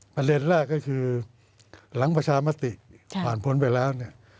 ประเด็นแรกก็คือหลังประชามติผ่านพ้นไปแล้วเนี่ย